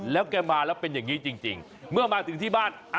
แล้วแกมาแล้วเป็นอย่างนี้จริงเมื่อมาถึงที่บ้าน